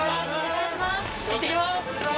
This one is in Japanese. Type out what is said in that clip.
いってきます。